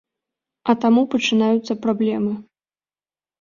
А таму пачынаюцца праблемы.